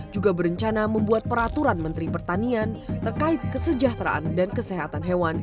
juga berencana membuat peraturan menteri pertanian terkait kesejahteraan dan kesehatan hewan